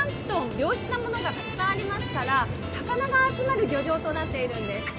良質なものがたくさんありますから魚が集まる漁場となってるんです。